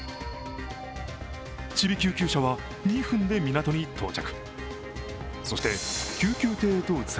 ちび救急車は２分で港に到着。